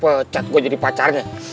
bisa dipel cat gue jadi pacarnya